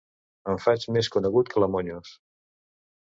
Em faig més conegut que la Monyos.